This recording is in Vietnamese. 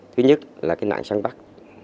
thứ nhất là cái nạn sáng bắt